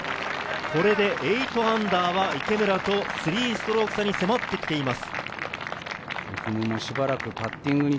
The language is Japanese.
これで−８は池村と３ストローク差に迫ってきています。